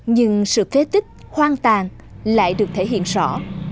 nhưng sự kế tích hoang tàn lại được thể hiện rõ